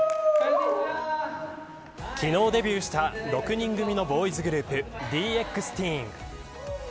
昨日デビューした６人組のボーイズグループＤＸＴＥＥＮ。